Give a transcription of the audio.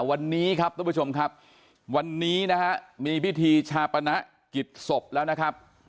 วันนี้ครับทุกผู้ชมครับวันนี้นะฮะมีพิธีชาปณะกิจศพแล้วนะครับ